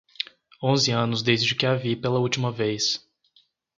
Onze anos desde que a vi pela última vez